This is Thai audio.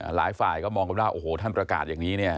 หลายฝ่ายก็มองกันว่าโอ้โหท่านประกาศอย่างนี้เนี่ย